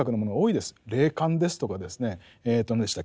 霊感ですとかですね何でしたっけ